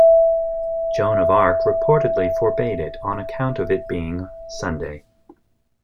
Joan of Arc reportedly forbade it, on account of it being Sunday.